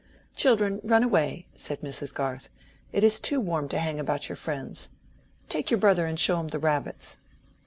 "Children, run away," said Mrs. Garth; "it is too warm to hang about your friends. Take your brother and show him the rabbits."